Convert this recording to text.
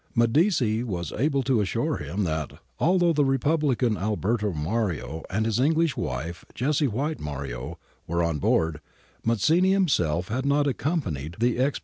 Medici was able to assure him that, although the Republican Alberto Mario and his English wife, Jessie White Mario, were on board, Mazzini himself had not accompanied the ex ^ See Appendices B and C, below.